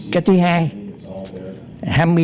cái thứ hai hai mươi sáu nước này